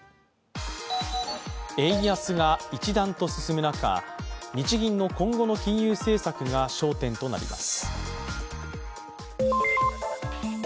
円安が一段と進む中、日銀の今後の金融政策が焦点となります。